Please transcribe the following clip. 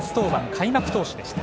開幕投手でした。